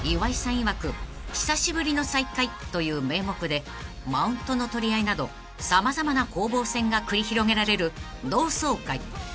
いわく久しぶりの再会という名目でマウントの取り合いなど様々な攻防戦が繰り広げられる同窓会］